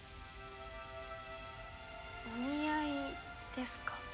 お見合いですか？